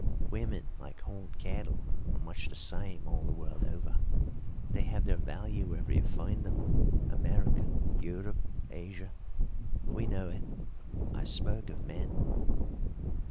"Women, like horned cattle, are much the same all the world over. They have their value wherever you find them America, Europe, Asia. We know it. I spoke of men."